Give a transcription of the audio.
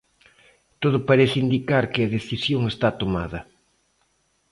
Todo parece indicar que a decisión está tomada.